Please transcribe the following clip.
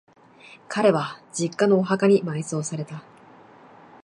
彼は、実家のお墓に埋葬された。